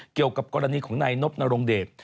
เกี่ยวกับกรณีของนายนบนรงเดช